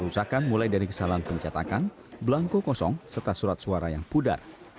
kerusakan mulai dari kesalahan pencetakan belangko kosong serta surat suara yang pudar